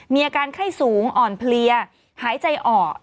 มีอาการไข้สูงอ่อนเพลียหายใจออก